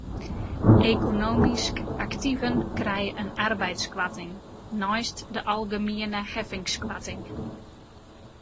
Ekonomysk aktiven krije in arbeidskoarting neist de algemiene heffingskoarting.